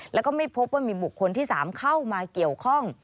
แล้วก็ไม่พบว่ามีบุคคลที่๓เข้ามาเกี่ยวข้อง